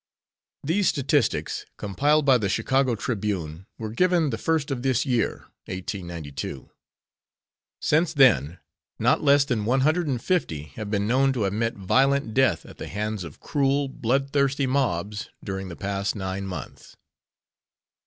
These statistics compiled by the Chicago Tribune were given the first of this year (1892). Since then, not less than one hundred and fifty have been known to have met violent death at the hands of cruel bloodthirsty mobs during the past nine months.